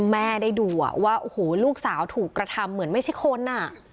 แม่ได้ดูว่าโอ้โหลูกสาวถูกกระทำเหมือนไม่ใช่คนอ่ะ